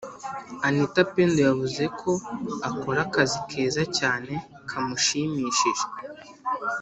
Anita pendo yavuzeko akora akazi keza cyane kamushimishije